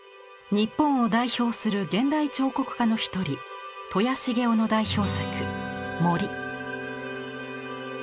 日本を代表する現代彫刻家の一人戸谷成雄の代表作「森」。